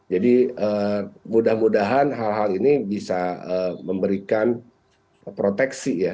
jadi mudah mudahan hal hal ini bisa memberikan proteksi ya